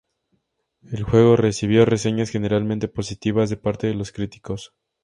El juego recibió reseñas generalmente positivas de parte de los críticos.